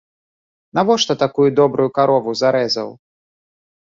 Навошта такую добрую карову зарэзаў?